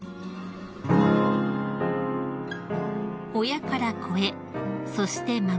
［親から子へそして孫へ］